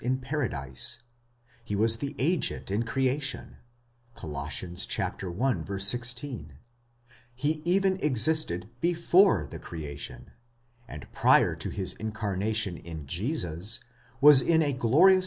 in Paradise;® he was the agent in creation (Col. i. 16); he even existed before the creation,!° and prior to his incarnation in Jesus, was in a glorious.